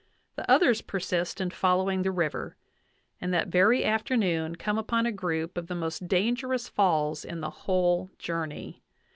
The others persist in following the river, and that very afternoon come upon a group of the most dangerous falls in the whole journey.